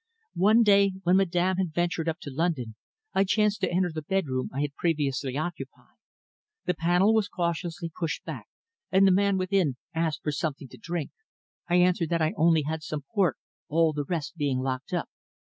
One day, when Madame had ventured up to London, I chanced to enter the bedroom I had previously occupied. The panel was cautiously pushed back, and the man within asked for something to drink. I answered that I only had some port, all the rest being locked up.